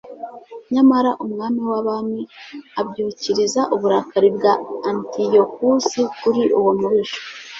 nyamara umwami w'abami abyukiriza uburakari bwa antiyokusi kuri uwo mubisha